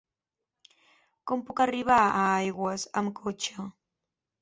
Com puc arribar a Aigües amb cotxe?